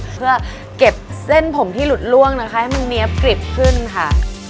เพื่อเก็บเส้นผมที่หลุดล่วงนะคะให้มันเนี๊ยบกริบขึ้นค่ะ